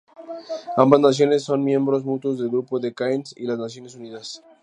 Ambas naciones son miembros mutuos del Grupo de Cairns y las Naciones Unidas.